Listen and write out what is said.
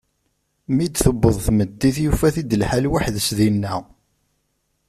Mi d-tewweḍ tmeddit, yufa-t-id lḥal weḥd-s dinna.